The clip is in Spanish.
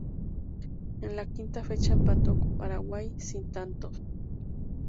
En la quinta fecha empató con Paraguay sin tantos.